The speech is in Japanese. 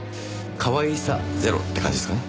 かわいさゼロって感じですかね。